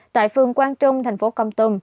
tại phường quang trung thành phố công tùng